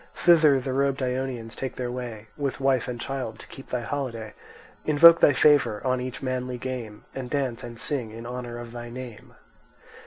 Thither the robed Ionians take their way With wife and child to keep thy holiday, Invoke thy favour on each manly game, And dance and sing in honour of thy name.